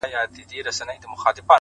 تا ويل له سره ماله تېره يم خو-